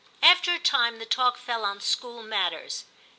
After a time the talk fell on school matters.